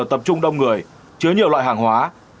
tập trung đông người chứa nhiều loại hàng hóa